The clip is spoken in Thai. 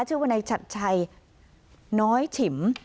วนายชัดชัยน้อยฉิม